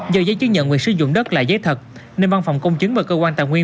do giấy chứng nhận quyền sử dụng đất là giấy thật nên văn phòng công chứng và cơ quan tài nguyên